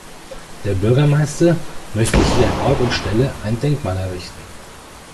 Der Bürgermeister möchte hier an Ort und Stelle ein Denkmal errichten.